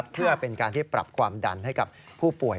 เพื่อเป็นการที่ปรับความดันให้กับผู้ป่วย